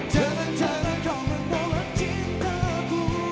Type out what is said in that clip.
jangan jangan kau membawa cintaku